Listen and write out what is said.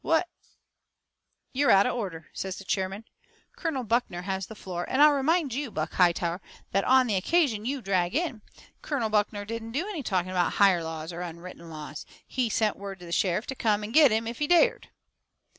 What " "You're out of order," says the chairman, "Colonel Buckner has the floor. And I'll remind you, Buck Hightower, that, on the occasion you drag in, Colonel Buckner didn't do any talking about higher laws or unwritten laws. He sent word to the sheriff to come and get him if he dared."